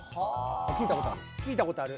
聴いたことある？